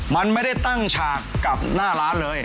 มันไม่ได้ตั้งฉากกับหน้าร้านเลย